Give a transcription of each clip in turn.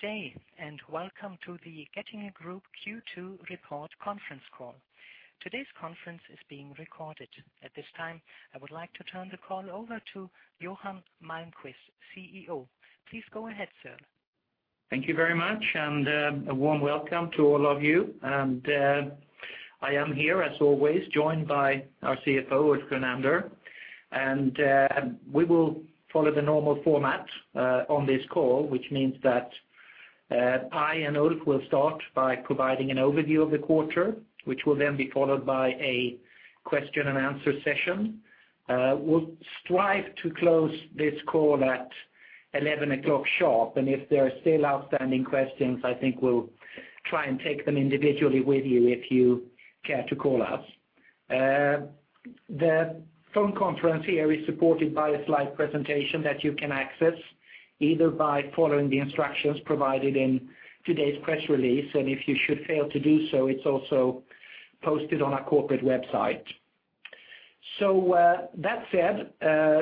Good day, and welcome to the Getinge Group Q2 Report Conference Call. Today's conference is being recorded. At this time, I would like to turn the call over to Johan Malmquist, CEO. Please go ahead, sir. Thank you very much, and, a warm welcome to all of you. I am here, as always, joined by our CFO, Ulf Grunander, and, we will follow the normal format, on this call, which means that, I and Ulf will start by providing an overview of the quarter, which will then be followed by a question-and-answer session. We'll strive to close this call at 11:00 A.M. sharp, and if there are still outstanding questions, I think we'll try and take them individually with you if you care to call us. The phone conference here is supported by a slide presentation that you can access, either by following the instructions provided in today's press release, and if you should fail to do so, it's also posted on our corporate website. That said,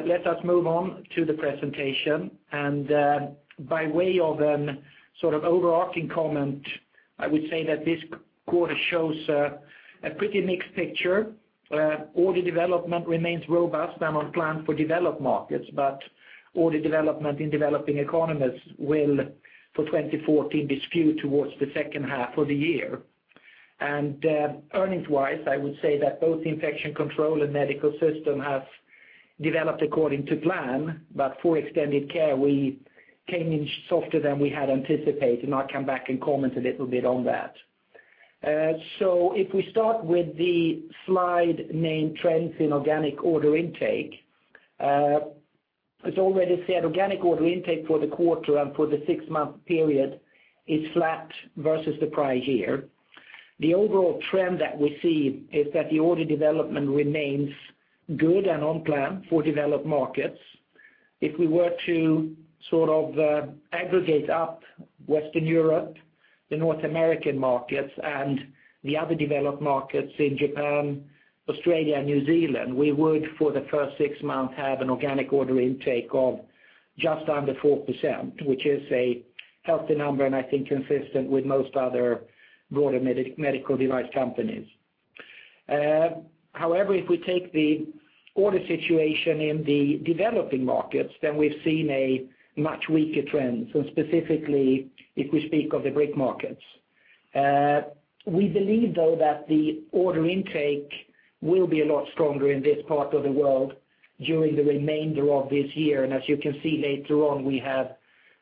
let us move on to the presentation. By way of a sort of overarching comment, I would say that this quarter shows a pretty mixed picture. Order development remains robust and on plan for developed markets, but order development in developing economies will, for 2014, be skewed towards the second half of the year. Earnings-wise, I would say that both Infection Control and Medical Systems have developed according to plan, but for Extended Care, we came in softer than we had anticipated, and I'll come back and comment a little bit on that. If we start with the slide, Main Trends in Organic Order Intake. As already said, organic order intake for the quarter and for the six-month period is flat versus the prior year. The overall trend that we see is that the order development remains good and on plan for developed markets. If we were to sort of aggregate up Western Europe, the North American markets, and the other developed markets in Japan, Australia, and New Zealand, we would, for the first six months, have an organic order intake of just under 4%, which is a healthy number, and I think consistent with most other broader medical device companies. However, if we take the order situation in the developing markets, then we've seen a much weaker trend, so specifically, if we speak of the BRIC markets. We believe, though, that the order intake will be a lot stronger in this part of the world during the remainder of this year, and as you can see, later on, we have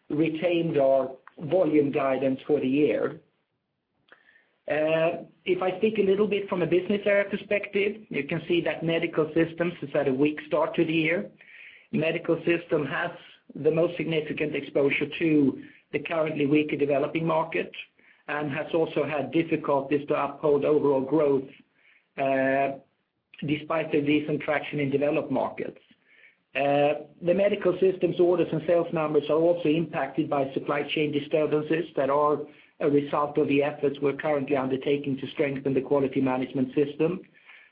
retained our volume guidance for the year. If I speak a little bit from a business area perspective, you can see that Medical Systems has had a weak start to the year. Medical Systems has the most significant exposure to the currently weaker developing market and has also had difficulties to uphold overall growth, despite a decent traction in developed markets. The Medical Systems orders and sales numbers are also impacted by supply chain disturbances that are a result of the efforts we're currently undertaking to strengthen the quality management system.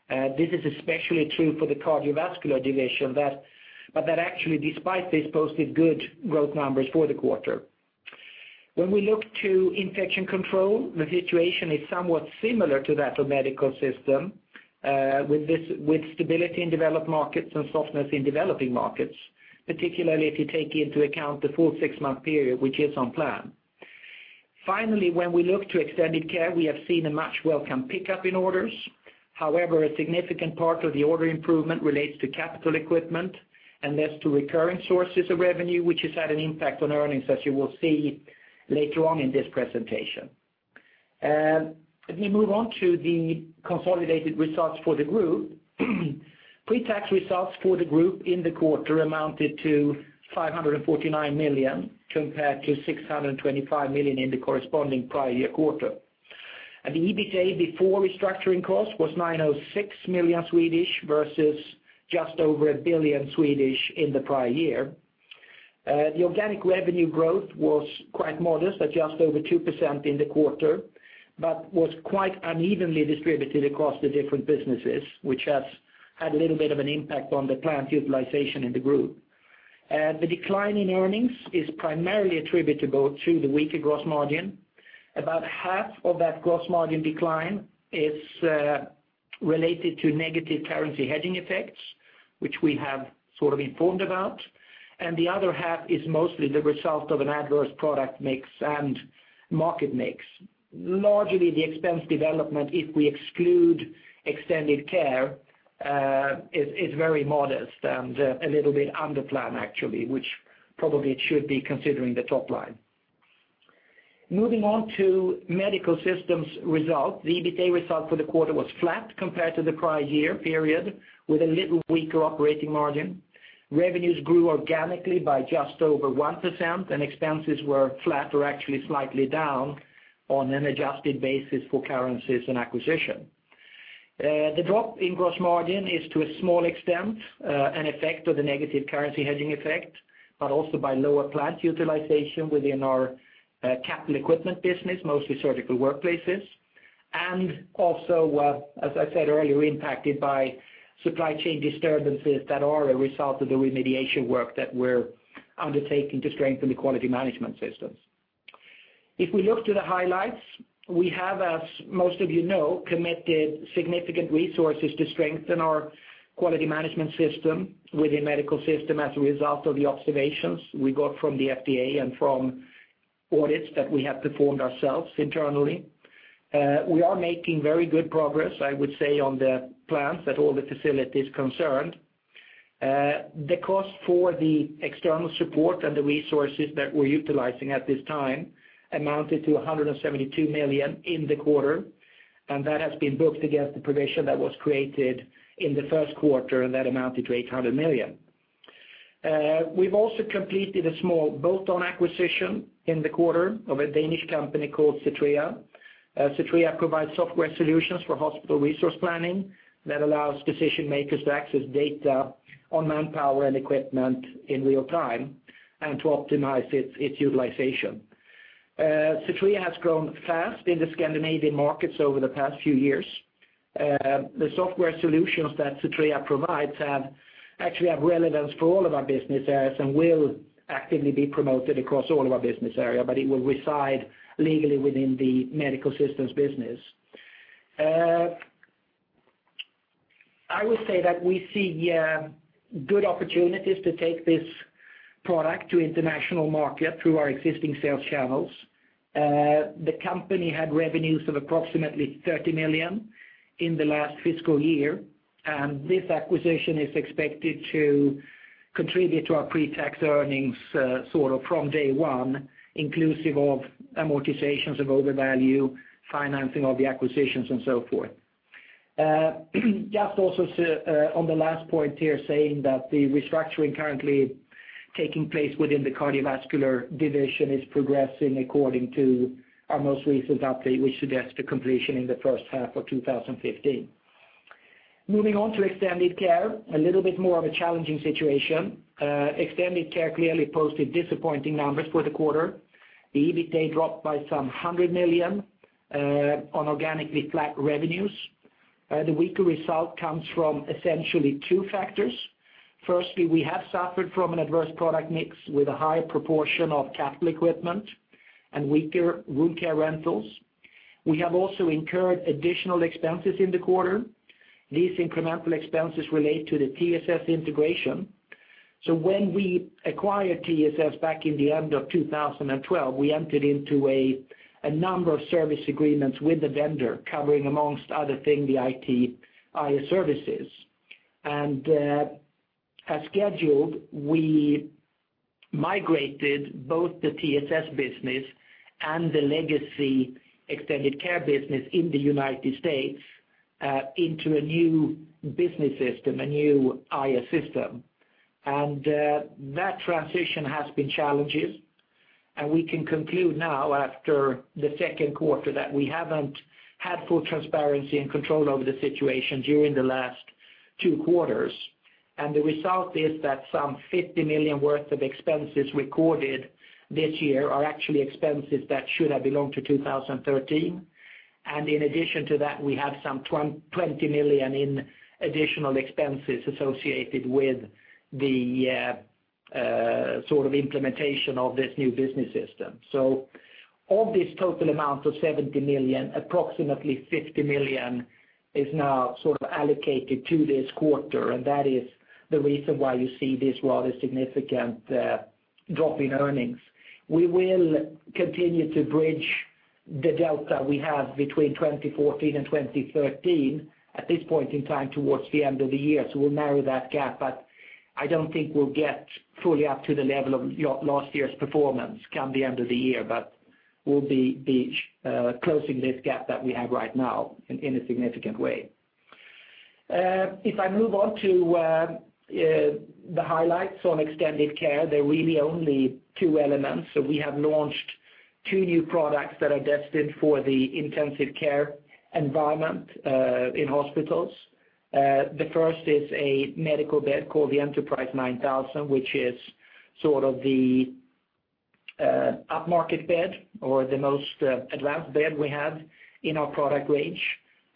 This is especially true for the cardiovascular division, but that actually, despite this, posted good growth numbers for the quarter. When we look to Infection Control, the situation is somewhat similar to that of Medical Systems, with stability in developed markets and softness in developing markets, particularly if you take into account the full six-month period, which is on plan. Finally, when we look to Extended Care, we have seen a much welcome pickup in orders. However, a significant part of the order improvement relates to capital equipment, and less to recurring sources of revenue, which has had an impact on earnings, as you will see later on in this presentation. If we move on to the consolidated results for the group, pre-tax results for the group in the quarter amounted to 549 million, compared to 625 million in the corresponding prior year quarter. The EBITA before restructuring costs was 906 million, versus just over 1 billion in the prior year. The organic revenue growth was quite modest, at just over 2% in the quarter, but was quite unevenly distributed across the different businesses, which has had a little bit of an impact on the plant utilization in the group. The decline in earnings is primarily attributable to the weaker gross margin. About half of that gross margin decline is related to negative currency hedging effects, which we have sort of informed about, and the other half is mostly the result of an adverse product mix and market mix. Largely, the expense development, if we exclude Extended Care, is very modest and a little bit under plan, actually, which probably it should be, considering the top line. Moving on to Medical Systems result, the EBITA result for the quarter was flat compared to the prior year period, with a little weaker operating margin. Revenues grew organically by just over 1%, and expenses were flat or actually slightly down on an adjusted basis for currencies and acquisition. The drop in gross margin is, to a small extent, an effect of the negative currency hedging effect, but also by lower plant utilization within our capital equipment business, mostly surgical workplaces.... and also, as I said earlier, we're impacted by supply chain disturbances that are a result of the remediation work that we're undertaking to strengthen the quality management systems. If we look to the highlights, we have, as most of you know, committed significant resources to strengthen our quality management system within Medical Systems as a result of the observations we got from the FDA and from audits that we have performed ourselves internally. We are making very good progress, I would say, on the plans at all the facilities concerned. The cost for the external support and the resources that we're utilizing at this time amounted to 172 million in the quarter, and that has been booked against the provision that was created in the first quarter, and that amounted to 800 million. We've also completed a small bolt-on acquisition in the quarter of a Danish company called Cetrea. Cetrea provides software solutions for hospital resource planning that allows decision makers to access data on manpower and equipment in real time and to optimize its utilization. Cetrea has grown fast in the Scandinavian markets over the past few years. The software solutions that Cetrea provides have actually have relevance for all of our business areas and will actively be promoted across all of our business area, but it will reside legally within the Medical Systems business. I would say that we see good opportunities to take this product to international market through our existing sales channels. The company had revenues of approximately 30 million in the last fiscal year, and this acquisition is expected to contribute to our pre-tax earnings, sort of from day one, inclusive of amortizations of overvalue, financing of the acquisitions, and so forth. Just also to, on the last point here, saying that the restructuring currently taking place within the cardiovascular division is progressing according to our most recent update, which suggests the completion in the first half of 2015. Moving on to Extended Care, a little bit more of a challenging situation. Extended Care clearly posted disappointing numbers for the quarter. The EBITA dropped by some 100 million, on organically flat revenues. The weaker result comes from essentially two factors. Firstly, we have suffered from an adverse product mix with a higher proportion of capital equipment and weaker wound care rentals. We have also incurred additional expenses in the quarter. These incremental expenses relate to the TSS integration. So when we acquired TSS back in the end of 2012, we entered into a number of service agreements with the vendor, covering, among other things, the IT, IA services. As scheduled, we migrated both the TSS business and the legacy Extended Care business in the United States into a new business system, a new IA system. That transition has been challenging, and we can conclude now, after the second quarter, that we haven't had full transparency and control over the situation during the last two quarters. The result is that some 50 million worth of expenses recorded this year are actually expenses that should have belonged to 2013. In addition to that, we have some 20 million in additional expenses associated with the sort of implementation of this new business system. So of this total amount of 70 million, approximately 50 million is now sort of allocated to this quarter, and that is the reason why you see this rather significant drop in earnings. We will continue to bridge the delta we have between 2014 and 2013 at this point in time towards the end of the year, so we'll narrow that gap. But I don't think we'll get fully up to the level of last year's performance come the end of the year, but we'll be closing this gap that we have right now in a significant way. If I move on to the highlights on Extended Care, there are really only two elements. So we have launched two new products that are destined for the intensive care environment in hospitals. The first is a medical bed called the Enterprise 9000, which is sort of the, upmarket bed or the most, advanced bed we have in our product range.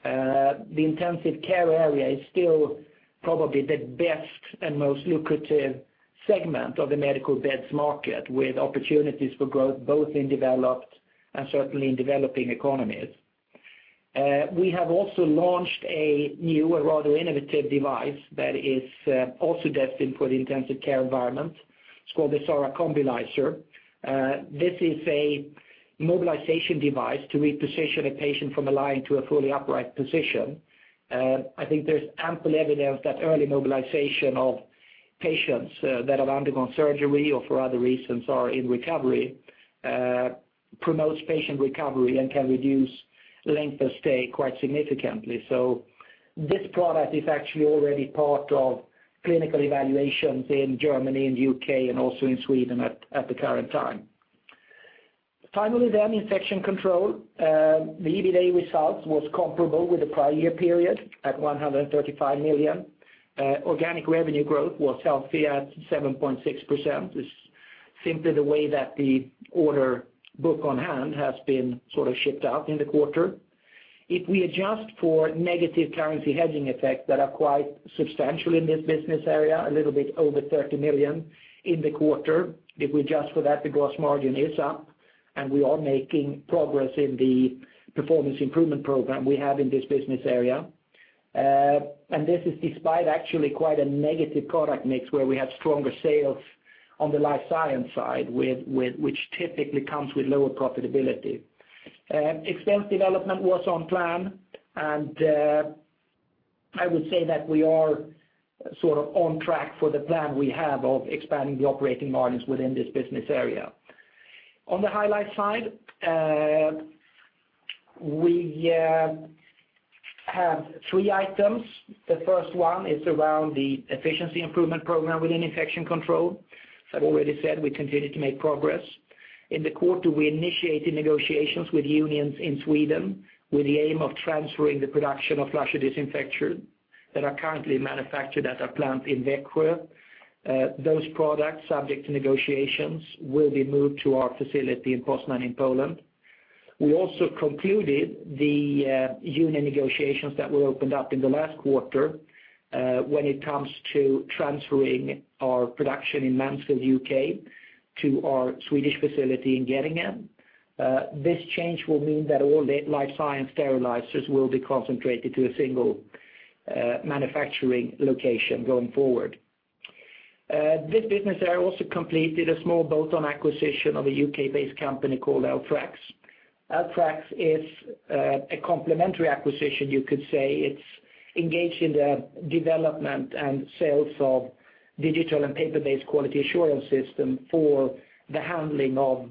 The intensive care area is still probably the best and most lucrative segment of the medical beds market, with opportunities for growth both in developed and certainly in developing economies. We have also launched a new and rather innovative device that is, also destined for the intensive care environment. It's called the SARA Combilizer. This is a mobilization device to reposition a patient from a lying to a fully upright position. I think there's ample evidence that early mobilization of patients, that have undergone surgery or for other reasons are in recovery, promotes patient recovery and can reduce length of stay quite significantly. So this product is actually already part of clinical evaluations in Germany and U.K. and also in Sweden at the current time. Finally, then, Infection Control. The EBITA results was comparable with the prior year period at 135 million. Organic revenue growth was healthy at 7.6%, simply the way that the order book on hand has been sort of shipped out in the quarter. If we adjust for negative currency hedging effects that are quite substantial in this business area, a little bit over 30 million in the quarter. If we adjust for that, the gross margin is up, and we are making progress in the performance improvement program we have in this business area. This is despite actually quite a negative product mix, where we had stronger sales on the life science side, with which typically comes with lower profitability. Expense development was on plan, and I would say that we are sort of on track for the plan we have of expanding the operating margins within this business area. On the highlight side, we have three items. The first one is around the efficiency improvement program within Infection Control. As I've already said, we continue to make progress. In the quarter, we initiated negotiations with unions in Sweden, with the aim of transferring the production of washer disinfector that are currently manufactured at our plant in Växjö. Those products, subject to negotiations, will be moved to our facility in Poznań, in Poland. We also concluded the union negotiations that were opened up in the last quarter when it comes to transferring our production in Mansfield, U.K., to our Swedish facility in Getinge. This change will mean that all the life science sterilizers will be concentrated to a single manufacturing location going forward. This business area also completed a small bolt-on acquisition of a U.K.-based company called Altrax. Altrax is a complementary acquisition, you could say. It's engaged in the development and sales of digital and paper-based quality assurance system for the handling of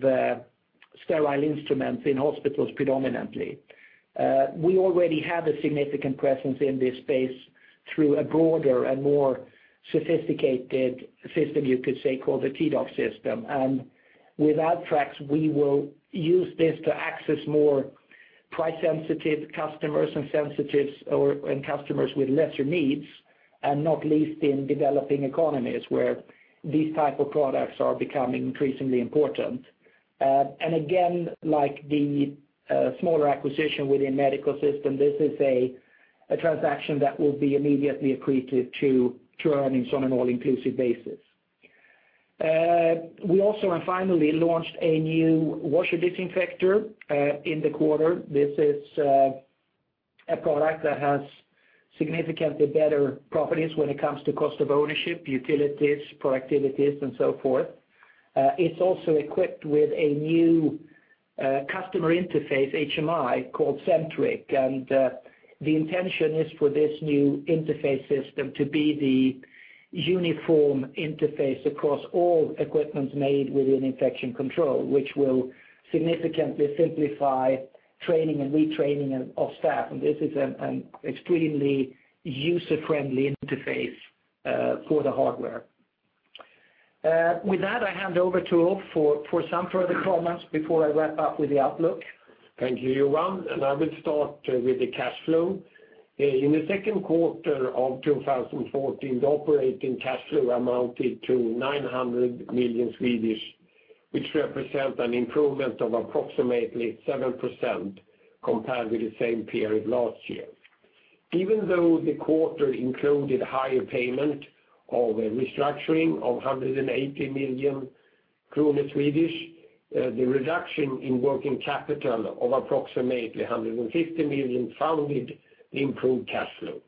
sterile instruments in hospitals, predominantly. We already have a significant presence in this space through a broader and more sophisticated system, you could say, called the T-DOC system. With Altrax, we will use this to access more price-sensitive customers and customers with lesser needs, and not least in developing economies, where these type of products are becoming increasingly important. Again, like the smaller acquisition within Medical Systems, this is a transaction that will be immediately accretive to earnings on an all-inclusive basis. We also, and finally, launched a new washer disinfector in the quarter. This is a product that has significantly better properties when it comes to cost of ownership, utilities, productivities, and so forth. It's also equipped with a new customer interface, HMI, called Centric. The intention is for this new interface system to be the uniform interface across all equipment made within Infection Control, which will significantly simplify training and retraining of staff. This is an extremely user-friendly interface for the hardware. With that, I hand over to Ulf for some further comments before I wrap up with the outlook. Thank you, Johan, and I will start with the cash flow. In the second quarter of 2014, the operating cash flow amounted to 900 million, which represent an improvement of approximately 7%, compared with the same period last year. Even though the quarter included higher payment of a restructuring of 180 million krona, the reduction in working capital of approximately 150 million which improved cash flow.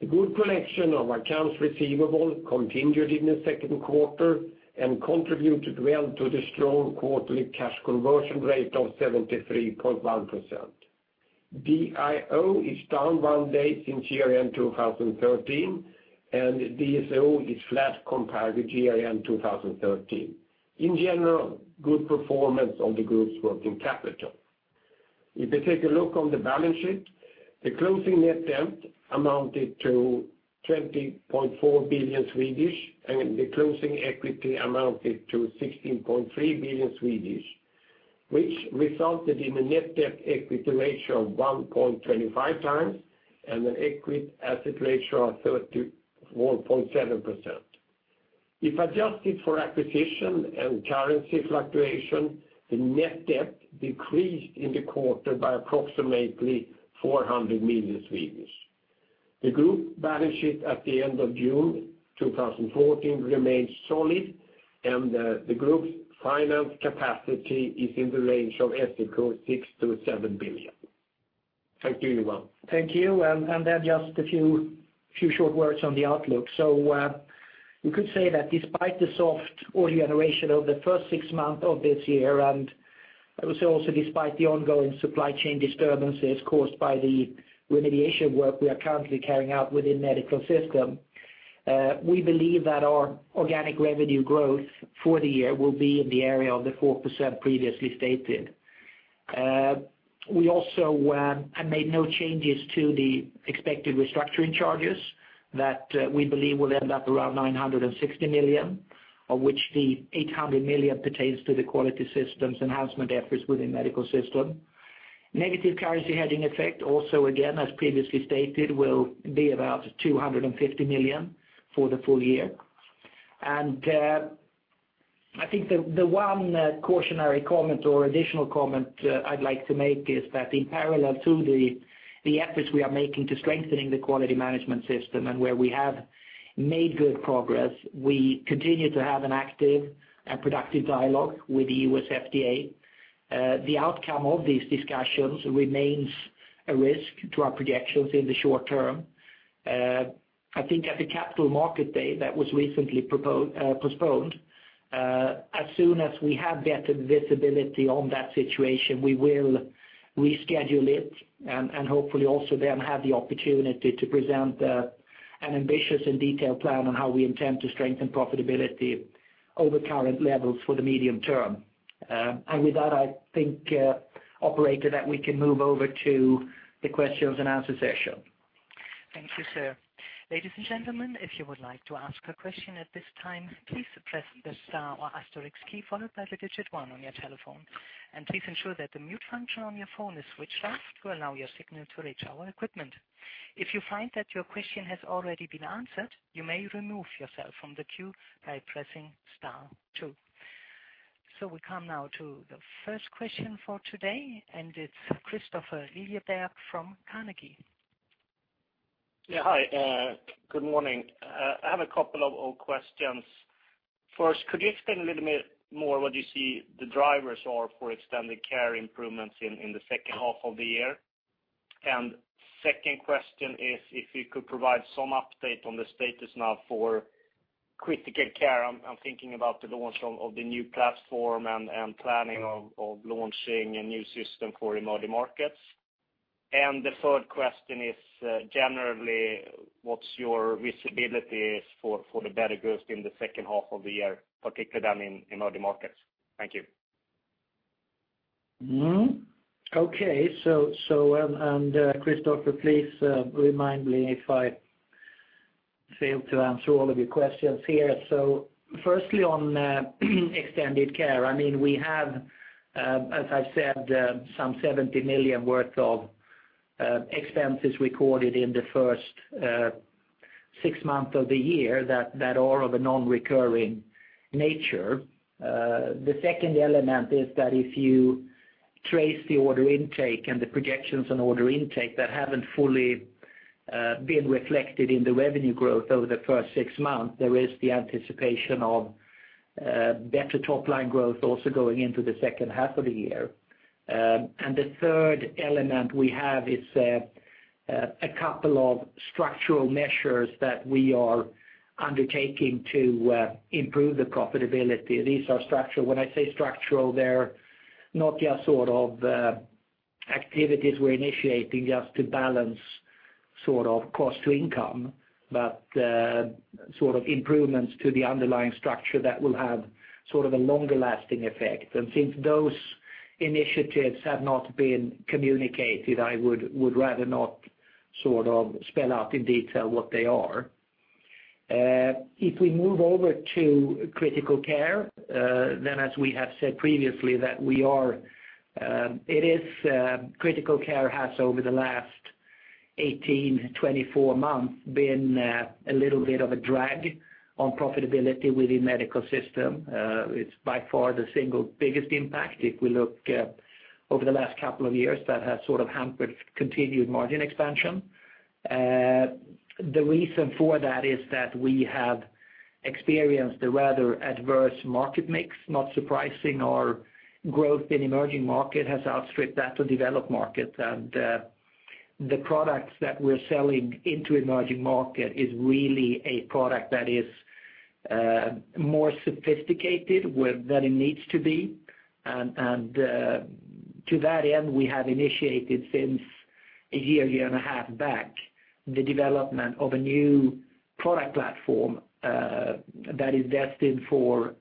The good collection of accounts receivable continued in the second quarter and contributed well to the strong quarterly cash conversion rate of 73.1%. DIO is down one day since year-end 2013, and DSO is flat compared with year-end 2013. In general, good performance of the group's working capital. If you take a look on the balance sheet, the closing net debt amounted to 20.4 billion, and the closing equity amounted to 16.3 billion, which resulted in a net debt equity ratio of 1.25 times and an equity asset ratio of 31.7%. If adjusted for acquisition and currency fluctuation, the net debt decreased in the quarter by approximately 400 million. The group balance sheet at the end of June 2014 remains solid, and the group's finance capacity is in the range of 6-7 billion. Thank you, Johan. Thank you, and then just a few short words on the outlook. So, you could say that despite the soft order generation of the first six month of this year, and I would say also despite the ongoing supply chain disturbances caused by the remediation work we are currently carrying out within medical system, we believe that our organic revenue growth for the year will be in the area of the 4% previously stated. We also have made no changes to the expected restructuring charges that we believe will end up around 960 million, of which the 800 million pertains to the quality systems enhancement efforts within medical system. Negative currency hedging effect also, again, as previously stated, will be about 250 million for the full year. I think the one cautionary comment or additional comment I'd like to make is that in parallel to the efforts we are making to strengthening the quality management system, and where we have made good progress, we continue to have an active and productive dialogue with the U.S. FDA. The outcome of these discussions remains a risk to our projections in the short term. I think at the capital market day that was recently proposed, postponed, as soon as we have better visibility on that situation, we will reschedule it, and hopefully also then have the opportunity to present an ambitious and detailed plan on how we intend to strengthen profitability over current levels for the medium term. And with that, I think, operator, that we can move over to the questions and answer session. Thank you, sir. Ladies and gentlemen, if you would like to ask a question at this time, please press the star or asterisk key, followed by the digit one on your telephone, and please ensure that the mute function on your phone is switched off to allow your signal to reach our equipment. If you find that your question has already been answered, you may remove yourself from the queue by pressing star two. So we come now to the first question for today, and it's Kristofer Liljeberg from Carnegie. Yeah, hi, good morning. I have a couple of old questions. First, could you explain a little bit more what you see the drivers are for Extended Care improvements in the second half of the year? And second question is, if you could provide some update on the status now for Critical Care. I'm thinking about the launch of the new platform and planning of launching a new system for emerging markets. And the third question is, generally, what's your visibility for the better growth in the second half of the year, particularly down in emerging markets? Thank you. Mm-hmm. Okay. Kristofer, please remind me if I fail to answer all of your questions here. So firstly, on Extended Care, I mean, we have, as I've said, some 70 million worth of expenses recorded in the first six months of the year that are of a non-recurring nature. The second element is that if you trace the order intake and the projections on order intake that haven't fully been reflected in the revenue growth over the first six months, there is the anticipation of better top-line growth also going into the second half of the year. And the third element we have is a couple of structural measures that we are undertaking to improve the profitability. These are structural. When I say structural, they're not just sort of activities we're initiating just to balance sort of cost to income, but sort of improvements to the underlying structure that will have sort of a longer-lasting effect. And since those initiatives have not been communicated, I would rather not sort of spell out in detail what they are. If we move over to critical care, then, as we have said previously, critical care has, over the last 18, 24 months, been a little bit of a drag on profitability within medical system. It's by far the single biggest impact, if we look over the last couple of years, that has sort of hampered continued margin expansion. The reason for that is that we have experienced a rather adverse market mix, not surprising. Our growth in emerging market has outstripped that to developed markets, and the products that we're selling into emerging market is really a product that is more sophisticated than it needs to be. And to that end, we have initiated, since a year, year and a half back, the development of a new product platform that is destined for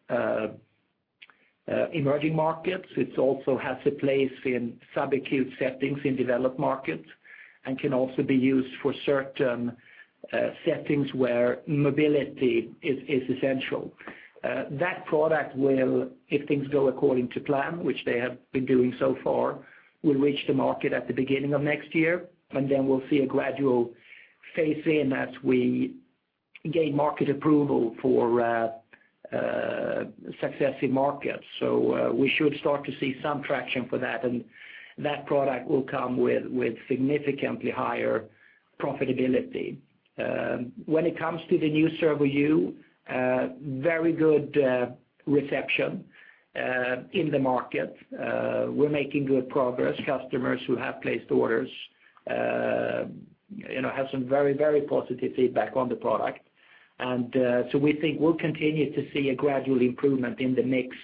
emerging markets. It also has a place in sub-acute settings in developed markets and can also be used for certain settings where mobility is essential. That product will, if things go according to plan, which they have been doing so far, will reach the market at the beginning of next year, and then we'll see a gradual phase in as we gain market approval for successive markets. So, we should start to see some traction for that, and that product will come with, with significantly higher profitability. When it comes to the new Servo-u, very good reception in the market. We're making good progress. Customers who have placed orders, you know, have some very, very positive feedback on the product. And, so we think we'll continue to see a gradual improvement in the mix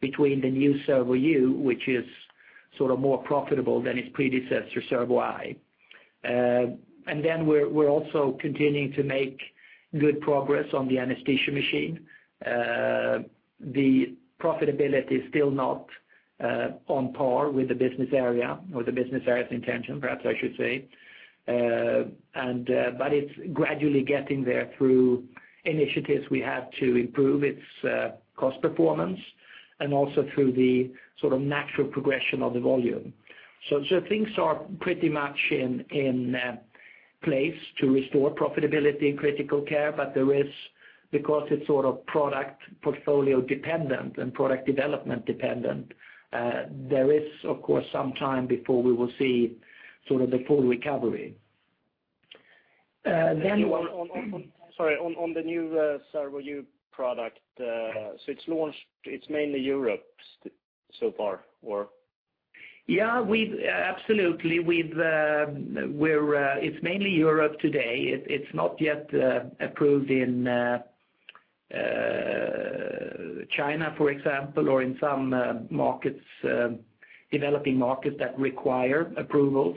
between the new Servo-u, which is sort of more profitable than its predecessor, Servo-i. And then we're also continuing to make good progress on the anesthesia machine. The profitability is still not on par with the business area, or the business area's intention, perhaps I should say. And, but it's gradually getting there through initiatives we have to improve its cost performance. and also through the sort of natural progression of the volume. So things are pretty much in place to restore profitability in critical care, but there is, because it's sort of product portfolio dependent and product development dependent, there is, of course, some time before we will see sort of the full recovery. Then- On the new Servo-u product, so it's launched, it's mainly Europe so far, or? Yeah, absolutely, we've, we're, it's mainly Europe today. It's not yet approved in China, for example, or in some developing markets that require approvals.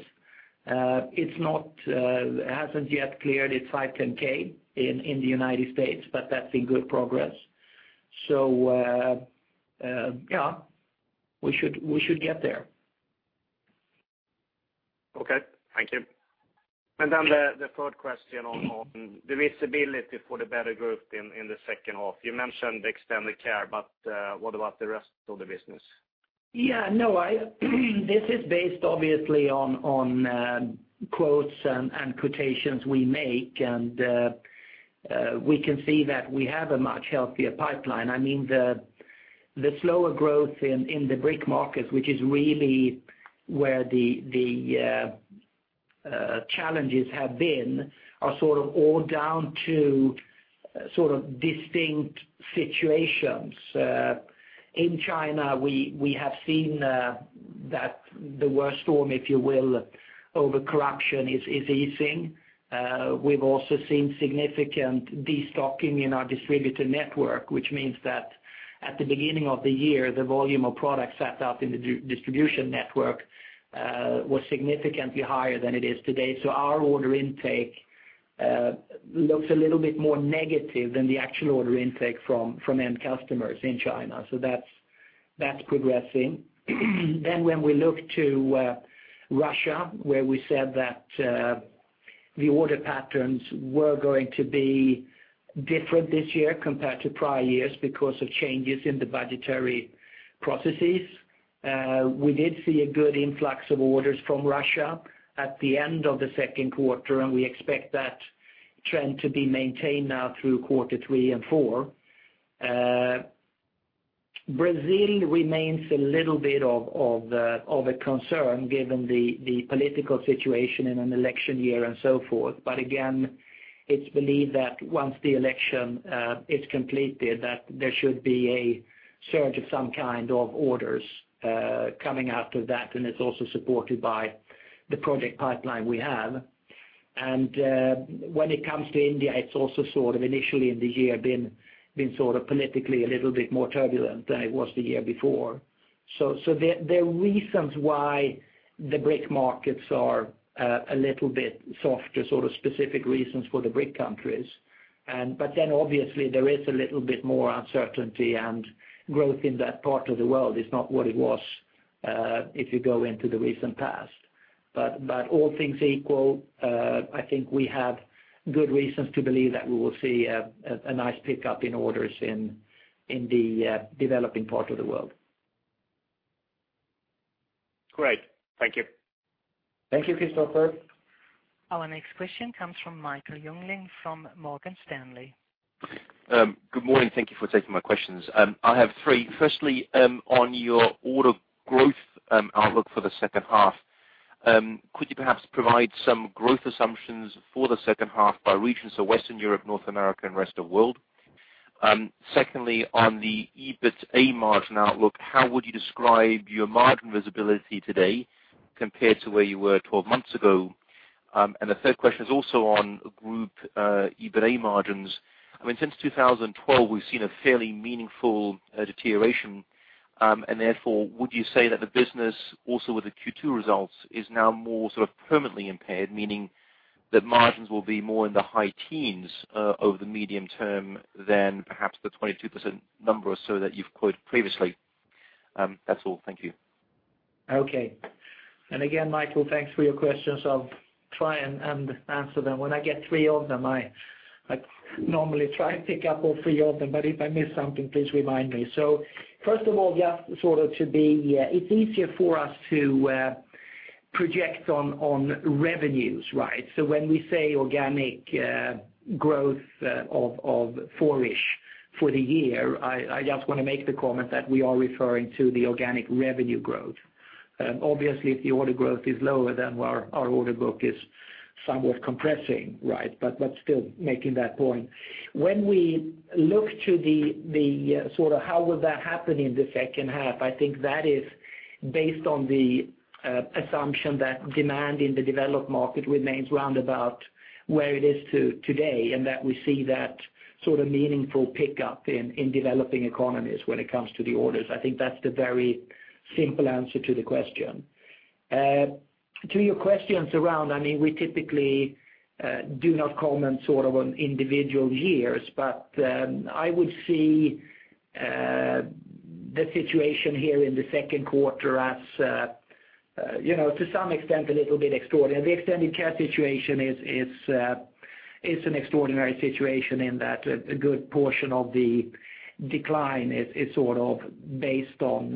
It hasn't yet cleared its 510(k) in the United States, but that's in good progress. So, yeah, we should get there. Okay. Thank you. Then the third question on the visibility for the better growth in the second half. You mentioned extended care, but what about the rest of the business? Yeah, no, I—this is based obviously on quotes and quotations we make, and we can see that we have a much healthier pipeline. I mean, the slower growth in the BRIC markets, which is really where the challenges have been, are sort of all down to sort of distinct situations. In China, we have seen that the worst storm, if you will, over corruption is easing. We've also seen significant destocking in our distributor network, which means that at the beginning of the year, the volume of products set up in the distribution network was significantly higher than it is today. So our order intake looks a little bit more negative than the actual order intake from end customers in China. So that's progressing. Then when we look to Russia, where we said that the order patterns were going to be different this year compared to prior years because of changes in the budgetary processes, we did see a good influx of orders from Russia at the end of the second quarter, and we expect that trend to be maintained now through quarter three and four. Brazil remains a little bit of a concern given the political situation in an election year and so forth. But again, it's believed that once the election is completed, that there should be a surge of some kind of orders coming out of that, and it's also supported by the project pipeline we have. When it comes to India, it's also sort of initially in the year been sort of politically a little bit more turbulent than it was the year before. So there are reasons why the BRIC markets are a little bit softer, sort of specific reasons for the BRIC countries. But then obviously, there is a little bit more uncertainty, and growth in that part of the world is not what it was if you go into the recent past. But all things equal, I think we have good reasons to believe that we will see a nice pickup in orders in the developing part of the world. Great. Thank you. Thank you, Kristofer. Our next question comes from Michael Jüngling from Morgan Stanley. Good morning. Thank you for taking my questions. I have three. Firstly, on your order growth, outlook for the second half, could you perhaps provide some growth assumptions for the second half by region, so Western Europe, North America, and rest of world? Secondly, on the EBITA margin outlook, how would you describe your margin visibility today compared to where you were 12 months ago? And the third question is also on group, EBITA margins. I mean, since 2012, we've seen a fairly meaningful, deterioration, and therefore, would you say that the business, also with the Q2 results, is now more sort of permanently impaired, meaning that margins will be more in the high teens, over the medium term than perhaps the 22% number or so that you've quoted previously? That's all. Thank you. Okay. And again, Michael, thanks for your questions. I'll try and answer them. When I get three of them, I normally try to pick up all three of them, but if I miss something, please remind me. So first of all, just sort of to be, it's easier for us to project on revenues, right? So when we say organic growth of four-ish for the year, I just want to make the comment that we are referring to the organic revenue growth. Obviously, if the order growth is lower, then our order book is somewhat compressing, right? But still making that point. When we look to the sort of how will that happen in the second half, I think that is based on the assumption that demand in the developed market remains roundabout where it is today, and that we see that sort of meaningful pickup in developing economies when it comes to the orders. I think that's the very simple answer to the question. To your questions around, I mean, we typically do not comment sort of on individual years, but I would see the situation here in the second quarter as you know, to some extent, a little bit extraordinary. The Extended Care situation is an extraordinary situation in that a good portion of the decline is sort of based on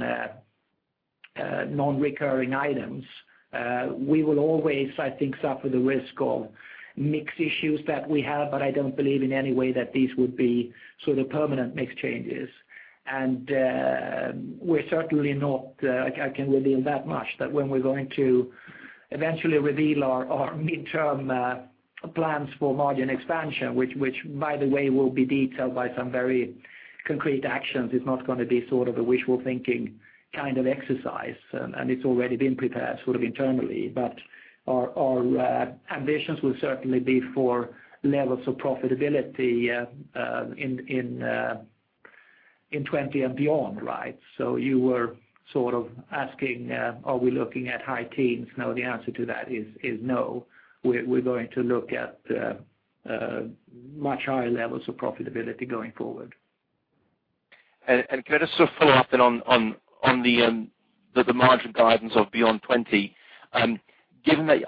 non-recurring items. We will always, I think, suffer the risk of mix issues that we have, but I don't believe in any way that these would be sort of permanent mix changes. And, we're certainly not, I, I can reveal that much, that when we're going to eventually reveal our, our midterm, plans for margin expansion, which, which, by the way, will be detailed by some very concrete actions. It's not gonna be sort of a wishful thinking kind of exercise, and, and it's already been prepared sort of internally. But our, our, ambitions will certainly be for levels of profitability, in, in, in 2020 and beyond, right? So you were sort of asking, are we looking at high teens? No, the answer to that is, is no. We're, we're going to look at, much higher levels of profitability going forward. Could I just sort of follow up then on the margin guidance of beyond 2020? Given that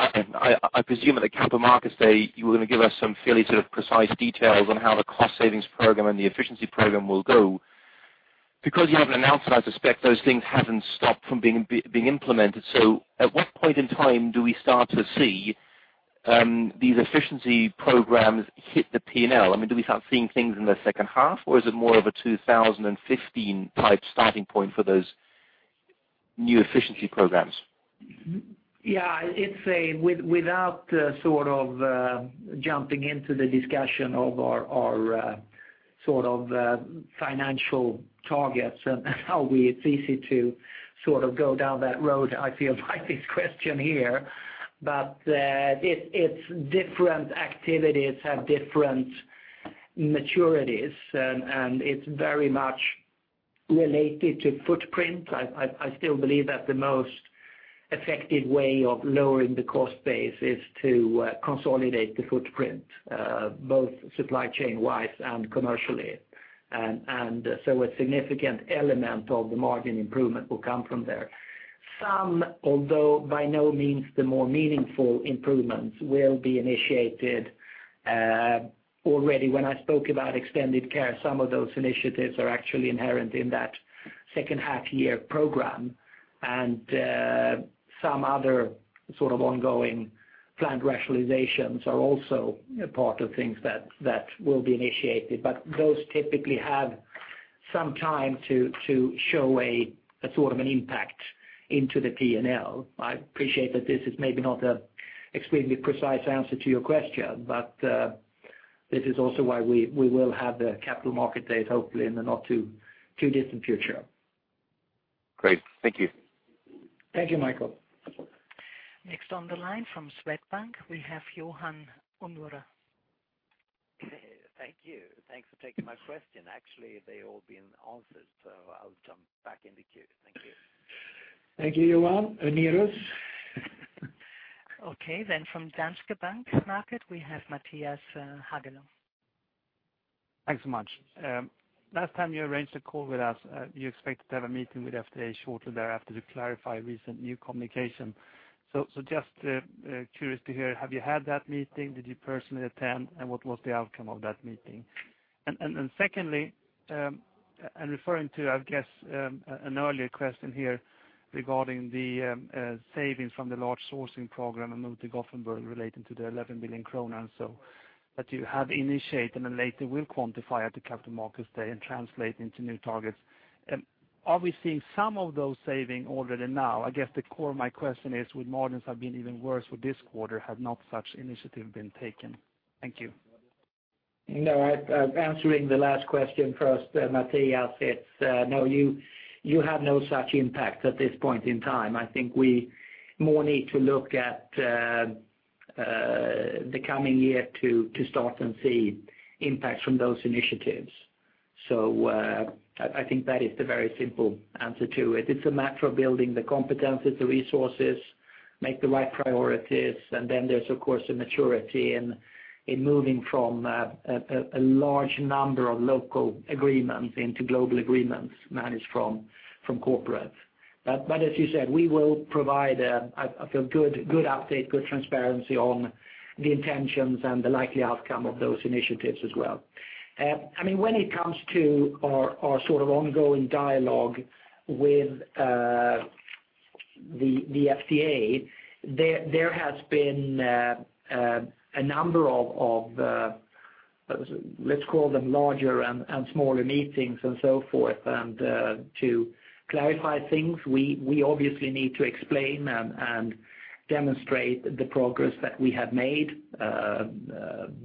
I presume at the Capital Markets Day, you were gonna give us some fairly sort of precise details on how the cost savings program and the efficiency program will go. Because you haven't announced it, I suspect those things haven't stopped from being implemented. So at what point in time do we start to see these efficiency programs hit the P&L? I mean, do we start seeing things in the second half, or is it more of a 2015 type starting point for those new efficiency programs? Yeah, it's a... Without sort of jumping into the discussion of our sort of financial targets and how we-- it's easy to sort of go down that road, I feel, by this question here. But, it's different activities have different maturities, and it's very much related to footprint. I still believe that the most effective way of lowering the cost base is to consolidate the footprint both supply chain-wise and commercially. And so a significant element of the margin improvement will come from there. Some, although by no means the more meaningful improvements, will be initiated already. When I spoke about extended care, some of those initiatives are actually inherent in that second half year program, and some other sort of ongoing plant rationalizations are also a part of things that that will be initiated. But those typically have some time to show a sort of an impact into the P&L. I appreciate that this is maybe not an extremely precise answer to your question, but this is also why we will have the Capital Market Date, hopefully, in the not too distant future. Great. Thank you. Thank you, Michael. Next on the line from Swedbank, we have Johan Unnérus. Thank you. Thanks for taking my question. Actually, they all been answered, so I'll jump back in the queue. Thank you. Thank you, Johan Unnérus. Okay. Then from Danske Bank Markets, we have Mattias Häggblom. Thanks so much. Last time you arranged a call with us, you expected to have a meeting with FDA shortly thereafter to clarify recent new communication. So just curious to hear, have you had that meeting? Did you personally attend, and what was the outcome of that meeting? And secondly, referring to, I guess, savings from the large sourcing program, I move to Gothenburg, relating to the 11 billion kronor. So that you have initiated and then later will quantify at the Capital Markets Day and translate into new targets. Are we seeing some of those savings already now? I guess the core of my question is, would margins have been even worse for this quarter, had not such initiative been taken? Thank you. No. Answering the last question first, Mattias, it's no, you have no such impact at this point in time. I think we more need to look at the coming year to start and see impacts from those initiatives. So, I think that is the very simple answer to it. It's a matter of building the competencies, the resources, make the right priorities, and then there's, of course, a maturity in moving from a large number of local agreements into global agreements managed from corporate. But as you said, we will provide I feel good good update, good transparency on the intentions and the likely outcome of those initiatives as well. I mean, when it comes to our sort of ongoing dialogue with the FDA, there has been a number of, let's call them larger and smaller meetings and so forth. To clarify things, we obviously need to explain and demonstrate the progress that we have made,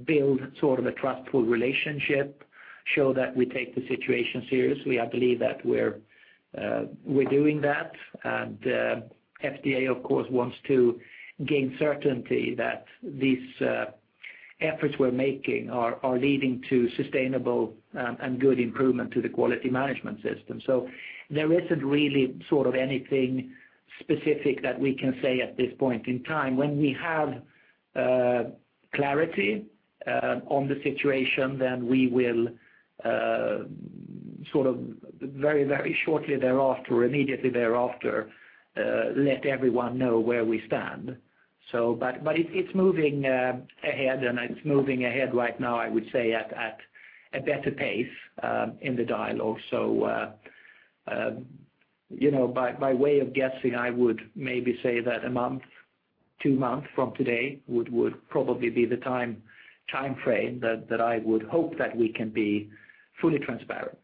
build sort of a trustful relationship, show that we take the situation seriously. I believe that we're doing that, and FDA, of course, wants to gain certainty that these efforts we're making are leading to sustainable and good improvement to the quality management system. So there isn't really sort of anything specific that we can say at this point in time. When we have clarity on the situation, then we will... Sort of very, very shortly thereafter, immediately thereafter, let everyone know where we stand. So, but, but it's, it's moving ahead, and it's moving ahead right now, I would say, at, at a better pace in the dialogue. So, you know, by, by way of guessing, I would maybe say that a month, two months from today would, would probably be the timeframe that, that I would hope that we can be fully transparent.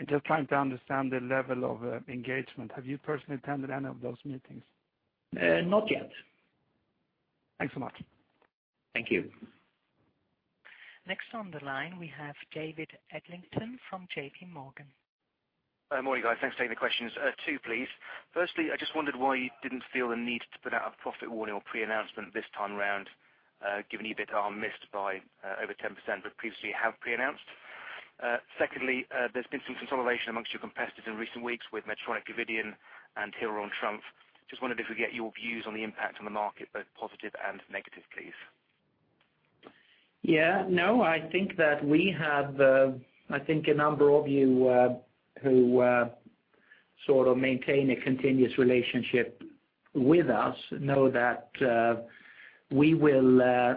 I'm just trying to understand the level of engagement. Have you personally attended any of those meetings? Not yet. Thanks so much. Thank you. Next on the line, we have David Adlington from JP Morgan. Hi, morning, guys. Thanks for taking the questions. Two, please. Firstly, I just wondered why you didn't feel the need to put out a profit warning or pre-announcement this time around, given you EBITDA are missed by over 10%, but previously you have pre-announced. Secondly, there's been some consolidation among your competitors in recent weeks with Medtronic, Covidien, and Hill-Rom Trumpf. Just wondered if we get your views on the impact on the market, both positive and negative, please. Yeah. No, I think that we have, I think a number of you, who, sort of maintain a continuous relationship with us, know that, we will,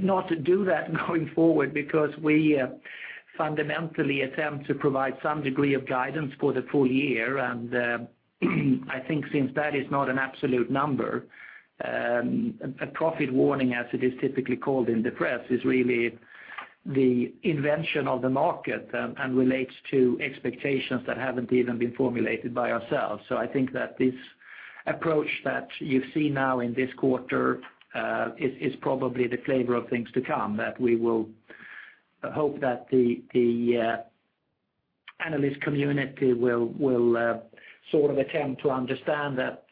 not do that going forward, because we, fundamentally attempt to provide some degree of guidance for the full year. I think since that is not an absolute number, a profit warning, as it is typically called in the press, is really the invention of the market and, and relates to expectations that haven't even been formulated by ourselves. So I think that this approach that you see now in this quarter is probably the flavor of things to come, that we will hope that the analyst community will sort of attempt to understand that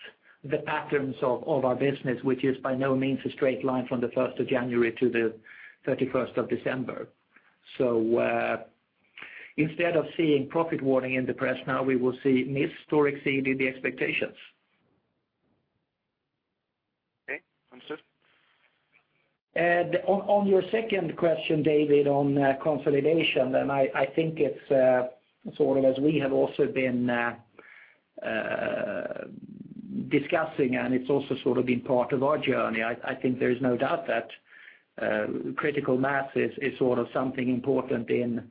the patterns of our business, which is by no means a straight line from the first of January to the 31st of December. So, instead of seeing profit warning in the press, now we will see missed or exceeded the expectations. Okay. Understood. On your second question, David, on consolidation, I think it's sort of as we have also been discussing, and it's also sort of been part of our journey. I think there is no doubt that critical mass is sort of something important in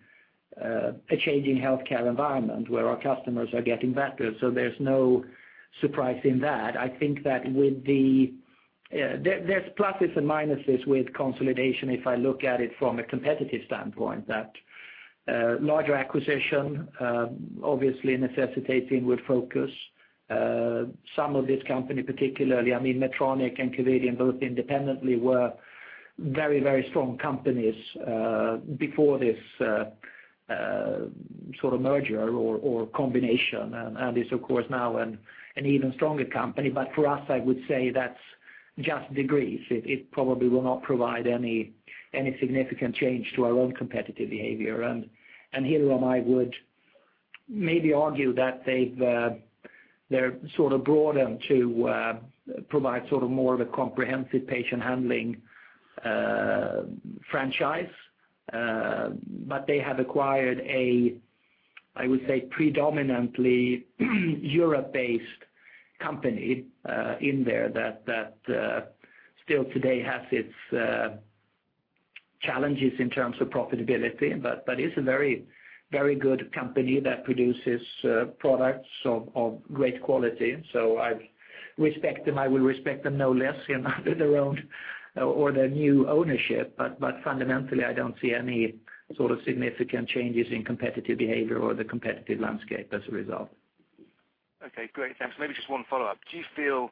a changing healthcare environment where our customers are getting better, so there's no surprise in that. I think that with the... There, there's pluses and minuses with consolidation, if I look at it from a competitive standpoint, that larger acquisition obviously necessitating with focus. Some of this company, particularly, I mean, Medtronic and Covidien, both independently, were very, very strong companies before this sort of merger or combination, and it's, of course, now an even stronger company. But for us, I would say that's just degrees. It probably will not provide any significant change to our own competitive behavior. And Hill-Rom, I would maybe argue that they've, they're sort of broader to provide sort of more of a comprehensive patient-handling franchise. But they have acquired a, I would say, predominantly Europe-based company in there, that still today has its challenges in terms of profitability, but it's a very, very good company that produces products of great quality. So I respect them. I will respect them no less under their own or their new ownership, but fundamentally, I don't see any sort of significant changes in competitive behavior or the competitive landscape as a result. Okay, great. Thanks. Maybe just one follow-up. Do you feel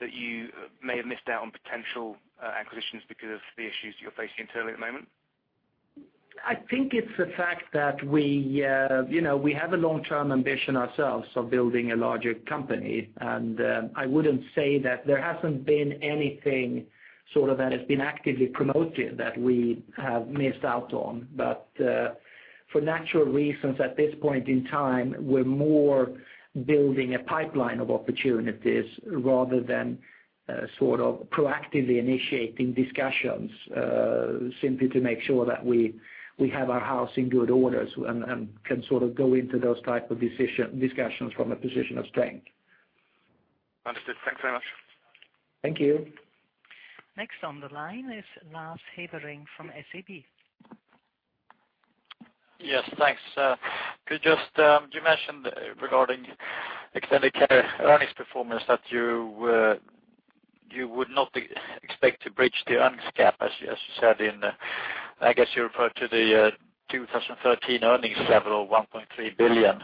that you may have missed out on potential acquisitions because of the issues you're facing internally at the moment? I think it's the fact that we, you know, we have a long-term ambition ourselves of building a larger company, and I wouldn't say that there hasn't been anything sort of that has been actively promoted that we have missed out on. But, for natural reasons, at this point in time, we're more building a pipeline of opportunities rather than sort of proactively initiating discussions, simply to make sure that we, we have our house in good order and can sort of go into those type of discussions from a position of strength. Understood. Thanks very much. Thank you. Next on the line is Lars Hevreng from SEB. Yes, thanks. Could you just, you mentioned regarding Extended Care earnings performance, that you would not expect to bridge the earnings gap, as you said in the... I guess you referred to the 2013 earnings level of 1.3 billion.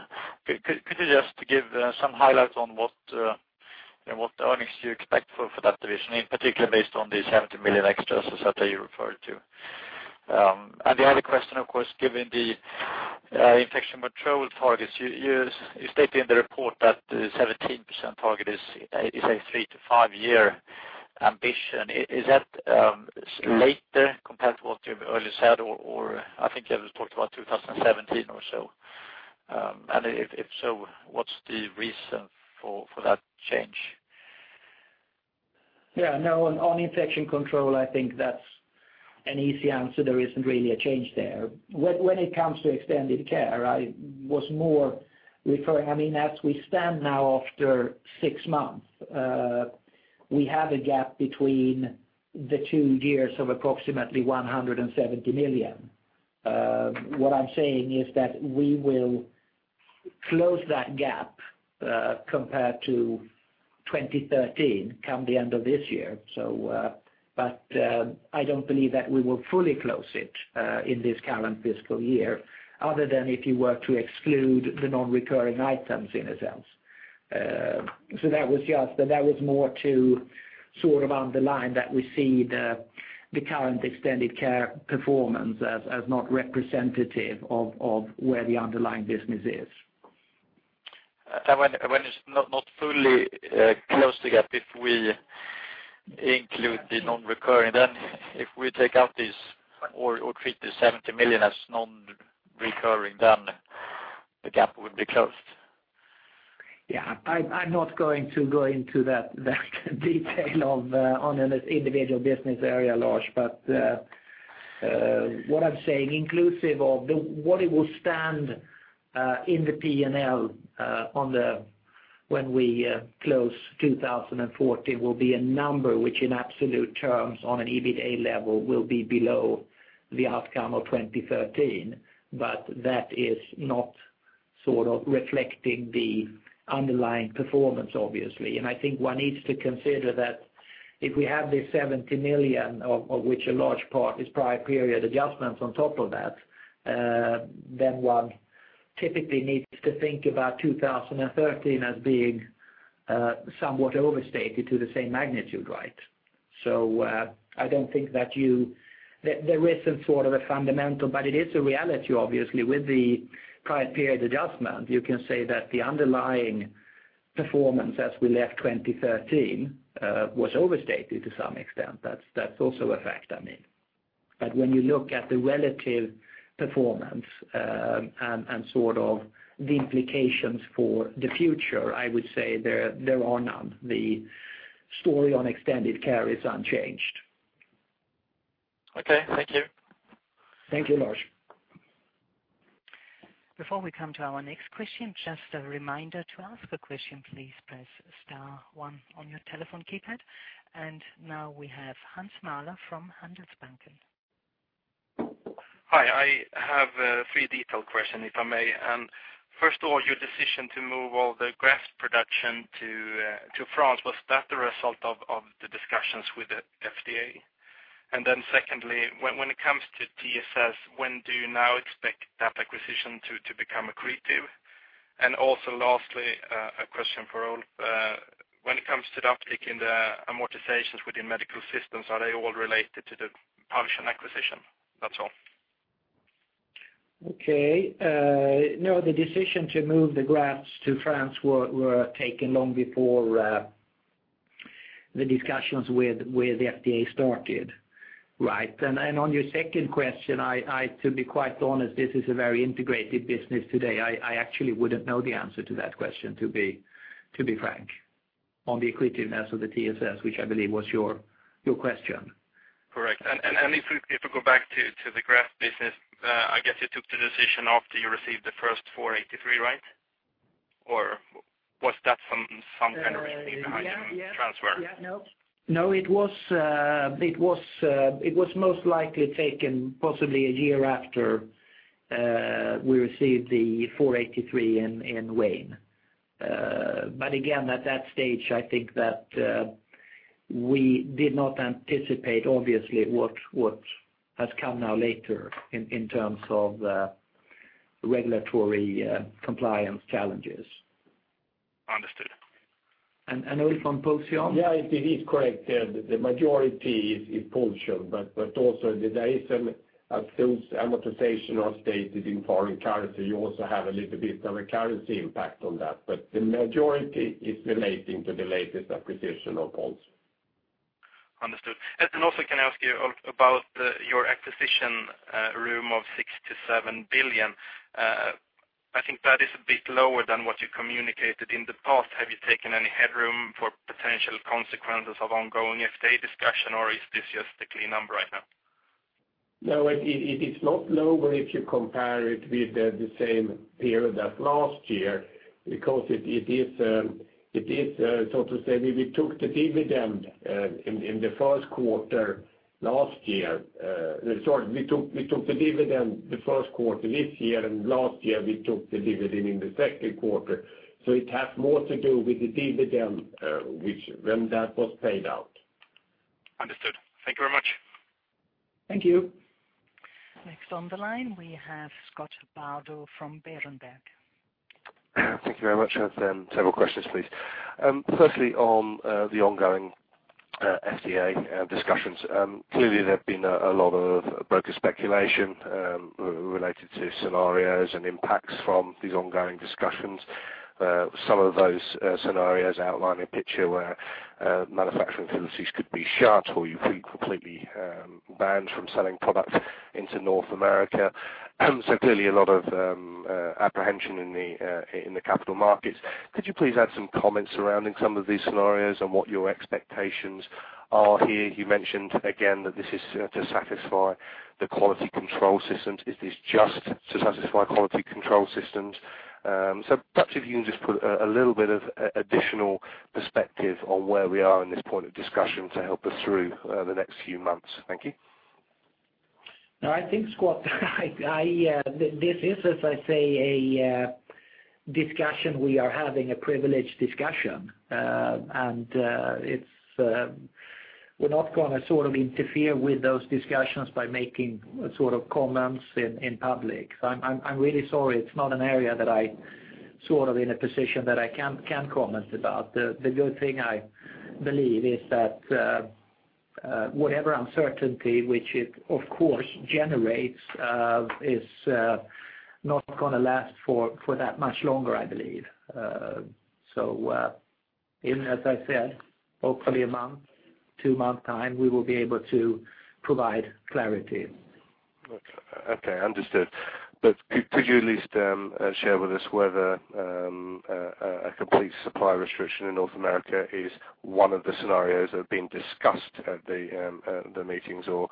Could you just give some highlights on what earnings do you expect for that division, in particular, based on the 70 million extras that you referred to? And the other question, of course, given the Infection Control targets, you stated in the report that the 17% target is a three to five year ambition. Is that later compared to what you earlier said, or I think you talked about 2017 or so. And if so, what's the reason for that change? ...Yeah, no, on Infection Control, I think that's an easy answer. There isn't really a change there. When it comes to extended care, I was more referring, I mean, as we stand now after six months, we have a gap between the two years of approximately 170 million. What I'm saying is that we will close that gap, compared to 2013, come the end of this year. So, but, I don't believe that we will fully close it, in this current fiscal year, other than if you were to exclude the non-recurring items in a sense. So that was just, that was more to sort of underline that we see the current extended care performance as not representative of where the underlying business is. And when it's not fully close the gap, if we include the non-recurring, then if we take out this or treat the 70 million as non-recurring, then the gap would be closed. Yeah, I'm not going to go into that detail of on an individual business area, Lars. But what I'm saying, inclusive of the what it will stand in the P&L on the... When we close 2014, will be a number, which in absolute terms, on an EBITA level, will be below the outcome of 2013. But that is not sort of reflecting the underlying performance, obviously. And I think one needs to consider that if we have this 70 million, of which a large part is prior period adjustments on top of that, then one typically needs to think about 2013 as being somewhat overstated to the same magnitude, right? So I don't think that you there isn't sort of a fundamental, but it is a reality, obviously. With the prior period adjustment, you can say that the underlying performance as we left 2013 was overstated to some extent. That's, that's also a fact, I mean. But when you look at the relative performance, and sort of the implications for the future, I would say there, there are none. The story on extended care is unchanged. Okay, thank you. Thank you, Lars. Before we come to our next question, just a reminder, to ask a question, please press star one on your telephone keypad. Now we have Hans Mähler from Handelsbanken. Hi, I have a three detailed question, if I may. First of all, your decision to move all the graft production to France, was that the result of the discussions with the FDA? And then secondly, when it comes to TSS, when do you now expect that acquisition to become accretive? And also, lastly, a question for Ulf. When it comes to the uptick in the amortizations within Medical Systems, are they all related to the Pulsion acquisition? That's all. Okay. No, the decision to move the grafts to France were taken long before the discussions with the FDA started, right? And on your second question, I, to be quite honest, this is a very integrated business today. I actually wouldn't know the answer to that question, to be frank, on the accretiveness of the TSS, which I believe was your question. Correct. And if we go back to the graft business, I guess you took the decision after you received the first 483, right? Or was that some kind of behind the transfer? Yeah. No, no, it was most likely taken possibly a year after we received the Form 483 in Wayne. But again, at that stage, I think that we did not anticipate, obviously, what has come now later in terms of regulatory compliance challenges. Understood. And, Ulf, on Pulsion? Yeah, it is correct. The majority is in Pulsion, but also there is an those amortization are stated in foreign currency. You also have a little bit of a currency impact on that, but the majority is relating to the latest acquisition of Pulsion. Understood. And then also, can I ask you, Ulf, about your acquisition room of 6 billion-7 billion? I think that is a bit lower than what you communicated in the past. Have you taken any headroom for potential consequences of ongoing FDA discussion, or is this just a clean number right now? No, it is not lower if you compare it with the same period as last year, because it is, so to say, we took the dividend in the first quarter last year. Sorry, we took the dividend the first quarter this year, and last year, we took the dividend in the second quarter. So it has more to do with the dividend, which when that was paid out. Understood. Thank you very much. Thank you. Next on the line, we have Scott Bardo from Berenberg. Thank you very much. I have several questions, please. Firstly, on the ongoing FDA discussions. Clearly, there have been a lot of broker speculation related to scenarios and impacts from these ongoing discussions. Some of those scenarios outline a picture where manufacturing facilities could shut or you're completely banned from selling products into North America. So clearly a lot of apprehension in the capital markets. Could you please add some comments surrounding some of these scenarios and what your expectations are here? You mentioned, again, that this is to satisfy the quality control systems. Is this just to satisfy quality control systems? So perhaps if you can just put a little bit of additional perspective on where we are in this point of discussion to help us through the next few months. Thank you. No, I think, Scott, this is, as I say, a discussion. We are having a privileged discussion, and it's we're not going to sort of interfere with those discussions by making sort of comments in public. So I'm really sorry. It's not an area that I sort of in a position that I can comment about. The good thing I believe is that whatever uncertainty, which it, of course, generates, is not gonna last for that much longer, I believe. So even as I said, hopefully a month, two month time, we will be able to provide clarity. Okay, understood. But could you at least share with us whether a complete supply restriction in North America is one of the scenarios that have been discussed at the meetings, or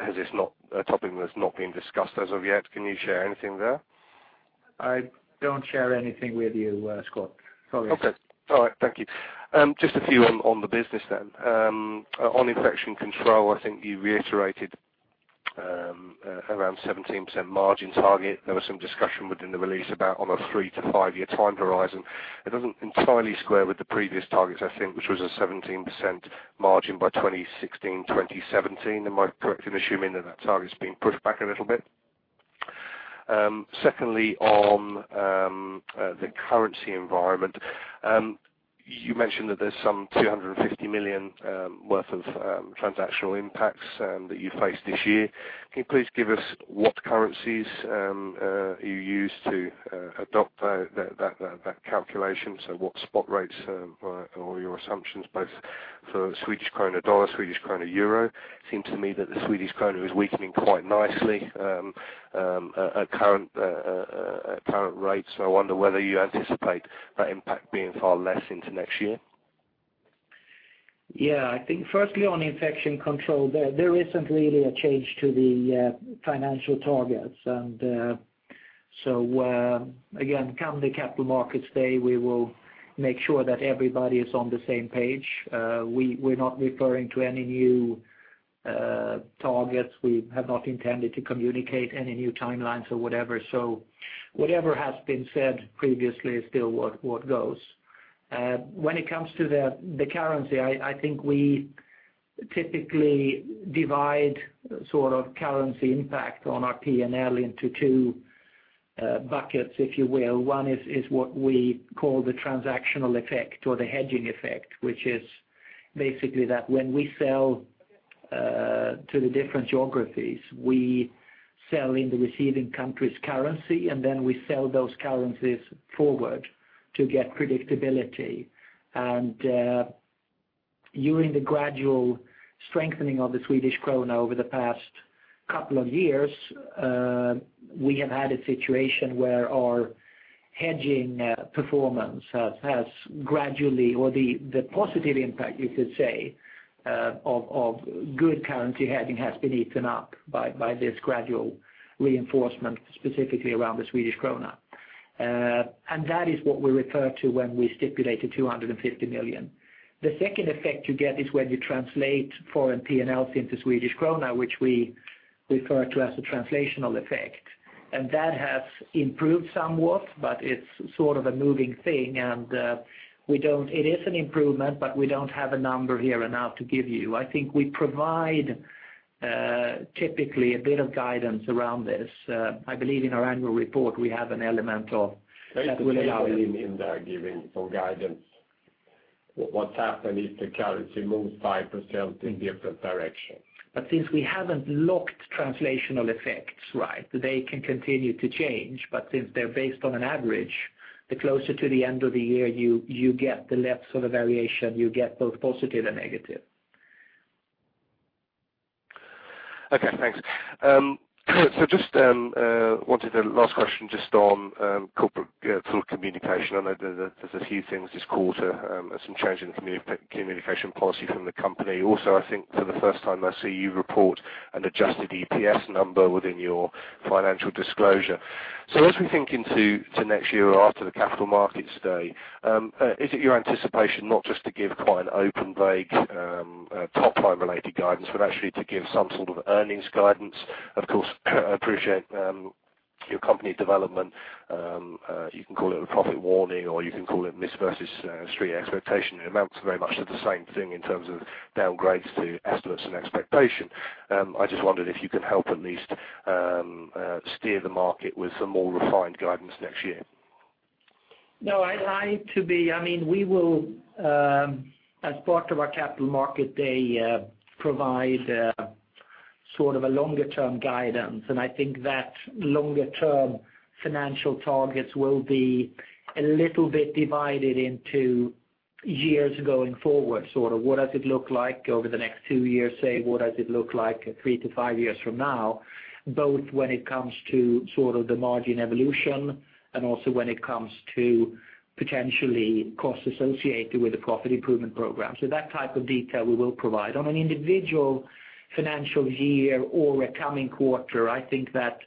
has this not a topic that's not been discussed as of yet? Can you share anything there? I don't share anything with you, Scott. Sorry. Okay. All right, thank you. Just a few on the business then. On Infection Control, I think you reiterated around 17% margin target. There was some discussion within the release about on a three to five year time horizon. It doesn't entirely square with the previous targets, I think, which was a 17% margin by 2016, 2017. Am I correct in assuming that that target's been pushed back a little bit? Secondly, on the currency environment, you mentioned that there's 250 million worth of transactional impacts that you faced this year. Can you please give us what currencies you used to adopt that calculation? So what spot rates or your assumptions both for Swedish krona/dollar, Swedish krona/euro? It seemed to me that the Swedish krona is weakening quite nicely, at current rates. So I wonder whether you anticipate that impact being far less into next year? Yeah. I think firstly, on Infection Control, there isn't really a change to the financial targets. And so again, come the Capital Markets Day, we will make sure that everybody is on the same page. We're not referring to any new targets. We have not intended to communicate any new timelines or whatever, so whatever has been said previously is still what goes. When it comes to the currency, I think we typically divide sort of currency impact on our P&L into two buckets, if you will. One is what we call the transactional effect or the hedging effect, which is basically that when we sell to the different geographies, we sell in the receiving country's currency, and then we sell those currencies forward to get predictability. During the gradual strengthening of the Swedish krona over the past couple of years, we have had a situation where our hedging performance has gradually, or the positive impact, you could say, of good currency hedging has been eaten up by this gradual reinforcement, specifically around the Swedish krona. And that is what we refer to when we stipulated 250 million. The second effect you get is when you translate foreign P&Ls into Swedish krona, which we refer to as the translational effect, and that has improved somewhat, but it's sort of a moving thing, and we don't. It is an improvement, but we don't have a number here and now to give you. I think we provide typically a bit of guidance around this. I believe in our annual report, we have an element of- That will allow him in there, giving some guidance. What happen if the currency moves 5% in different direction? But since we haven't locked translational effects, right? They can continue to change, but since they're based on an average, the closer to the end of the year you get the less sort of variation. You get both positive and negative. Okay, thanks. So just wanted a last question just on corporate sort of communication. I know there's a, there's a few things this quarter, some change in the communication policy from the company. Also, I think for the first time, I see you report an adjusted EPS number within your financial disclosure. So as we think into to next year or after the Capital Markets Day, is it your anticipation not just to give quite an open, vague top-line related guidance, but actually to give some sort of earnings guidance? Of course, I appreciate your company development. You can call it a profit warning, or you can call it miss versus street expectation. It amounts very much to the same thing in terms of downgrades to estimates and expectation. I just wondered if you could help at least steer the market with some more refined guidance next year. No, I mean, we will, as part of our Capital Market Day, provide sort of a longer-term guidance, and I think that longer-term financial targets will be a little bit divided into years going forward, sort of what does it look like over the next two years, say, what does it look like three to five years from now, both when it comes to sort of the margin evolution and also when it comes to potentially costs associated with the profit improvement program. So that type of detail we will provide. On an individual financial year or a coming quarter, I think that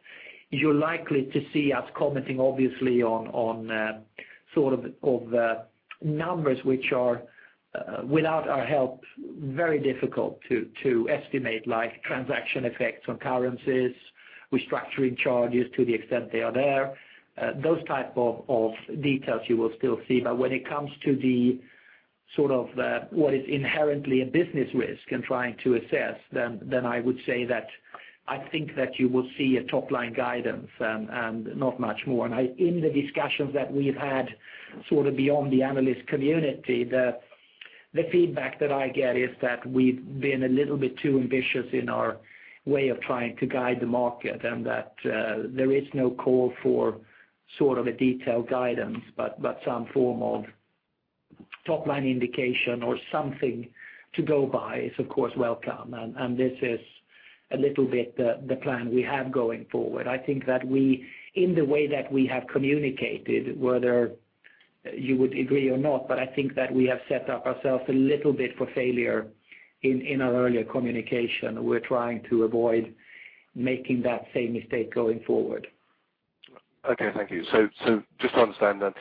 you're likely to see us commenting, obviously, on sort of numbers which are without our help, very difficult to estimate, like transaction effects on currencies, restructuring charges to the extent they are there. Those types of details you will still see. But when it comes to the sort of what is inherently a business risk and trying to assess, then I would say that I think that you will see a top-line guidance and not much more. And in the discussions that we've had, sort of beyond the analyst community, the feedback that I get is that we've been a little bit too ambitious in our way of trying to guide the market, and that there is no call for sort of a detailed guidance, but some form of top-line indication or something to go by is, of course, welcome. And this is a little bit the plan we have going forward. I think that we, in the way that we have communicated, whether you would agree or not, but I think that we have set up ourselves a little bit for failure in our earlier communication. We're trying to avoid making that same mistake going forward. Okay, thank you. So just to understand then,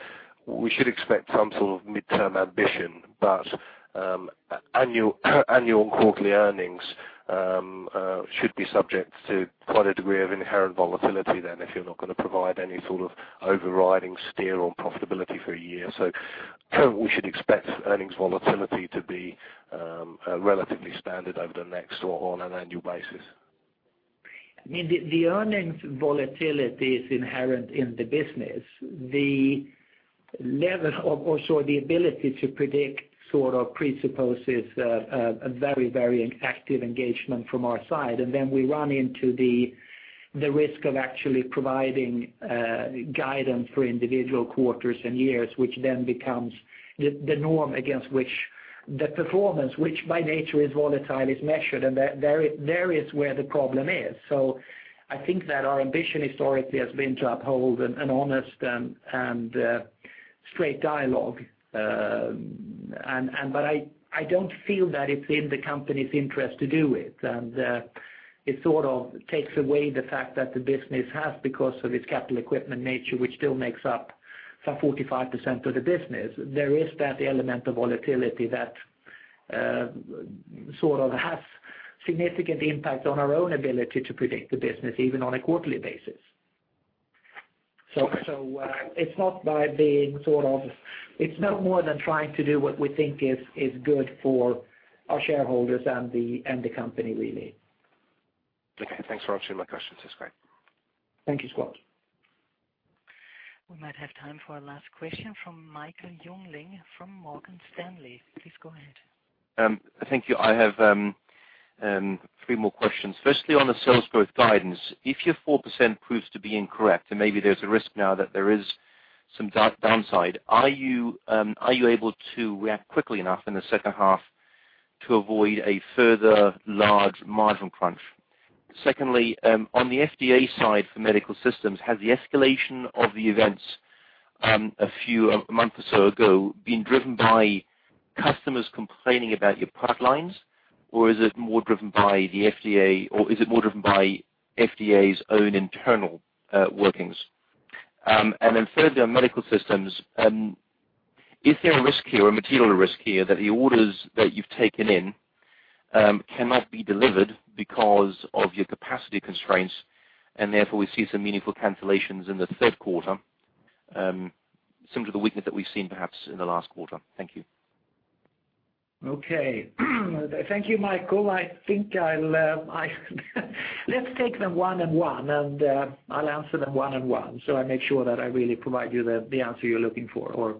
we should expect some sort of midterm ambition, but annual and quarterly earnings should be subject to quite a degree of inherent volatility then, if you're not going to provide any sort of overriding steer on profitability for a year. So currently, we should expect earnings volatility to be relatively standard over the next or on an annual basis? I mean, the earnings volatility is inherent in the business. The level of or so the ability to predict sort of presupposes a very, very active engagement from our side, and then we run into the risk of actually providing guidance for individual quarters and years, which then becomes the norm against which the performance, which by nature is volatile, is measured, and that there is where the problem is. So I think that our ambition historically has been to uphold an honest and straight dialogue, but I don't feel that it's in the company's interest to do it. It sort of takes away the fact that the business has, because of its capital equipment nature, which still makes up some 45% of the business, there is that element of volatility that sort of has significant impact on our own ability to predict the business, even on a quarterly basis. So, it's not by being sort of, it's no more than trying to do what we think is, is good for our shareholders and the, and the company, really. Okay, thanks for answering my questions. That's great. Thank you, Scott. We might have time for a last question from Michael Jüngling from Morgan Stanley. Please go ahead. Thank you. I have three more questions. Firstly, on the sales growth guidance, if your 4% proves to be incorrect, and maybe there's a risk now that there is some downside, are you able to react quickly enough in the second half to avoid a further large margin crunch? Secondly, on the FDA side, for Medical Systems, has the escalation of the events a month or so ago been driven by customers complaining about your product lines, or is it more driven by the FDA, or is it more driven by FDA's own internal workings? And then thirdly, on Medical Systems, is there a risk here, a material risk here, that the orders that you've taken in cannot be delivered because of your capacity constraints, and therefore, we see some meaningful cancellations in the third quarter, similar to the weakness that we've seen perhaps in the last quarter? Thank you. Okay. Thank you, Michael. I think I'll... Let's take them one and one, and I'll answer them one and one, so I make sure that I really provide you the answer you're looking for, or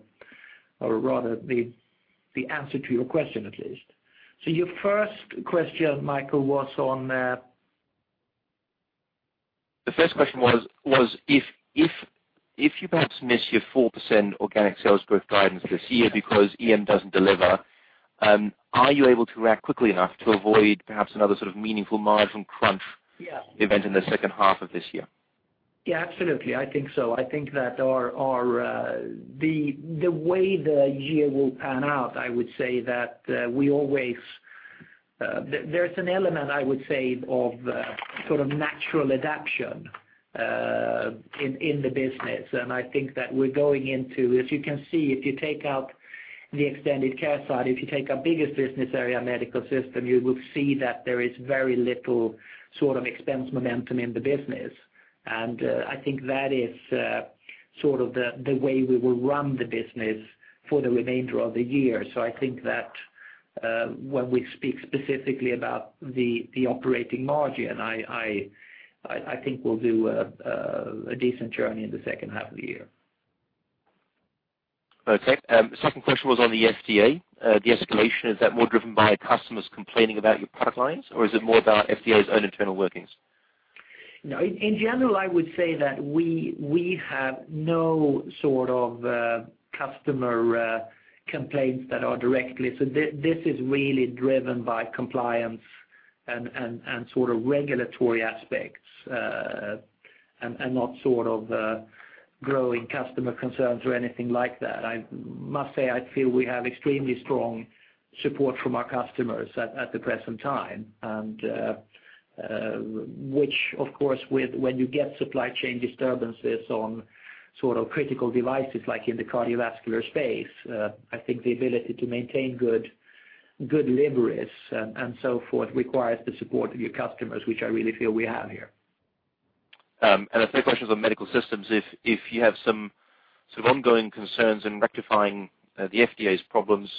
rather, the answer to your question at least. So your first question, Michael, was on- The first question was, if you perhaps miss your 4% organic sales growth guidance this year because EM doesn't deliver, are you able to react quickly enough to avoid perhaps another sort of meaningful margin crunch? Yeah. event in the second half of this year? Yeah, absolutely. I think so. I think that our, our, the, the way the year will pan out, I would say that, we always, there's an element, I would say, of, sort of natural adaptation, in, in the business. And I think that we're going into... As you can see, if you take out the Extended Care side, if you take our biggest business area, Medical Systems, you will see that there is very little sort of expense momentum in the business. And, I think that is, sort of the, the way we will run the business for the remainder of the year. So I think that, when we speak specifically about the, the operating margin, I, I, I think we'll do a, a decent journey in the second half of the year. ... Okay, second question was on the FDA de-escalation. Is that more driven by customers complaining about your product lines, or is it more about FDA's own internal workings? No, in general, I would say that we have no sort of customer complaints that are directly. So this is really driven by compliance and sort of regulatory aspects, and not sort of growing customer concerns or anything like that. I must say, I feel we have extremely strong support from our customers at the present time, and, which, of course, when you get supply chain disturbances on sort of critical devices, like in the cardiovascular space, I think the ability to maintain good deliveri and so forth requires the support of your customers, which I really feel we have here. The third question is on Medical Systems. If you have some ongoing concerns in rectifying the FDA's problems,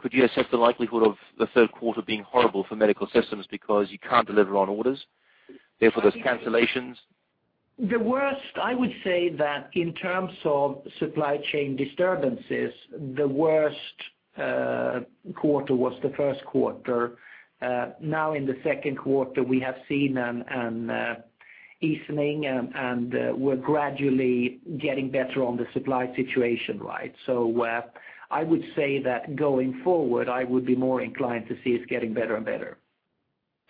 could you assess the likelihood of the third quarter being horrible for Medical Systems because you can't deliver on orders, therefore, there's cancellations? The worst, I would say that in terms of supply chain disturbances, the worst quarter was the first quarter. Now, in the second quarter, we have seen an easing, and we're gradually getting better on the supply situation, right? So, I would say that going forward, I would be more inclined to see it's getting better and better.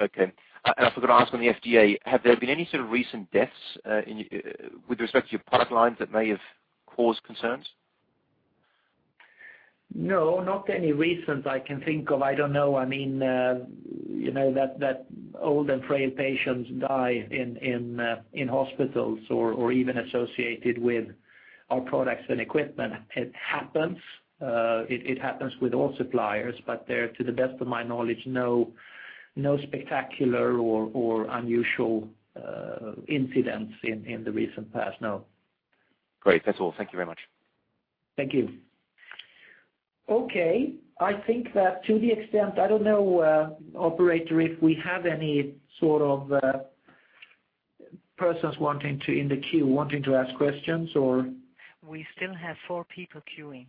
Okay. And I forgot to ask on the FDA, have there been any sort of recent deaths in with respect to your product lines that may have caused concerns? No, not any recent I can think of. I don't know, I mean, you know, that old and frail patients die in hospitals or even associated with our products and equipment. It happens, it happens with all suppliers, but there are, to the best of my knowledge, no spectacular or unusual incidents in the recent past, no. Great. That's all. Thank you very much. Thank you. Okay, I think that to the extent, I don't know, operator, if we have any sort of, persons wanting to, in the queue, wanting to ask questions, or? We still have four people queuing.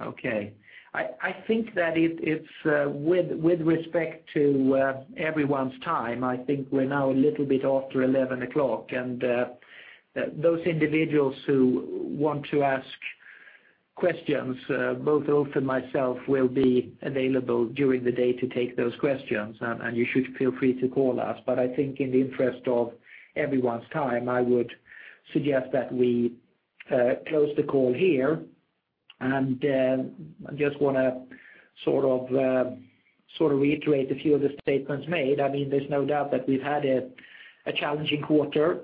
Okay. I think that it's with respect to everyone's time. I think we're now a little bit after 11:00 A.M., and those individuals who want to ask questions, both Ulf and myself will be available during the day to take those questions, and you should feel free to call us. But I think in the interest of everyone's time, I would suggest that we close the call here. And I just want to sort of reiterate a few of the statements made. I mean, there's no doubt that we've had a challenging quarter,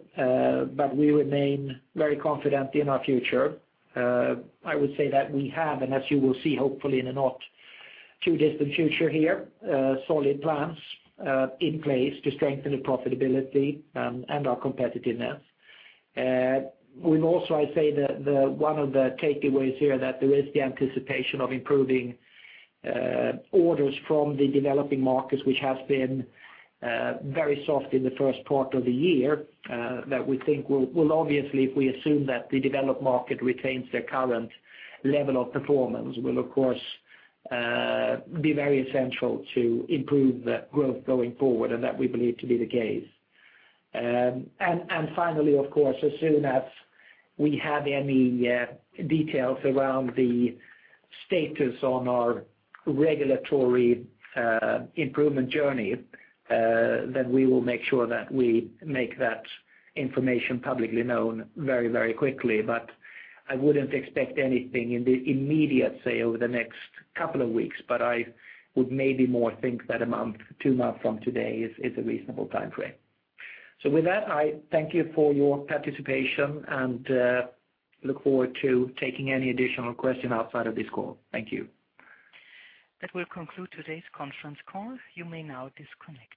but we remain very confident in our future. I would say that we have, and as you will see, hopefully, in the not too distant future here, solid plans in place to strengthen the profitability and our competitiveness. We've also, I say that the one of the takeaways here, that there is the anticipation of improving orders from the developing markets, which has been very soft in the first part of the year. That we think will obviously, if we assume that the developed market retains their current level of performance, will, of course, be very essential to improve the growth going forward, and that we believe to be the case. And finally, of course, as soon as we have any details around the status on our regulatory improvement journey, then we will make sure that we make that information publicly known very, very quickly. But I wouldn't expect anything in the immediate, say, over the next couple of weeks, but I would maybe more think that a month, two months from today is a reasonable timeframe. So with that, I thank you for your participation, and look forward to taking any additional questions outside of this call. Thank you. That will conclude today's conference call. You may now disconnect.